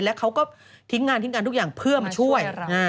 แล้วเขาก็ทิ้งงานทิ้งงานทุกอย่างเพื่อมาช่วย